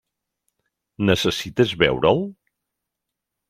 Necessites veure'l?